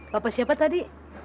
bapak siapa tadi